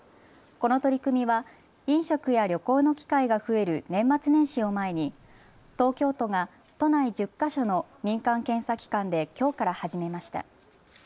この取り組みは飲食や旅行の機会が増える年末年始を前に東京都が都内１０か所の民間検査機関できょうから始めました。